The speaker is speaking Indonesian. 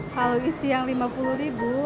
kalau isi yang lima puluh ribu